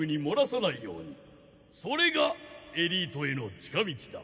それがエリートへの近道だ！